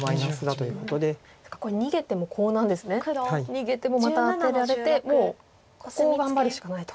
逃げてもまたアテられてもうここを頑張るしかないと。